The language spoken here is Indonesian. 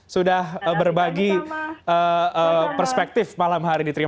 sudah berbagi perspektif malam hari di trinidad